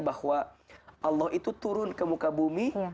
bahwa allah itu turun ke muka bumi